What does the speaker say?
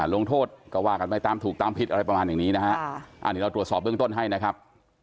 ลงโทษก็ว่ากันไปตามถูกตามผิดอะไรประมาณอย่างนี้นะฮะอันนี้เราตรวจสอบเบื้องต้นให้นะครับ